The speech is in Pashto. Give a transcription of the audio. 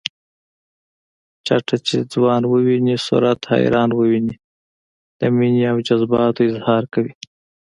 چټه چې ځوان وويني صورت حیران وويني د مینې او جذباتو اظهار کوي